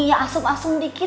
ya asem asem dikit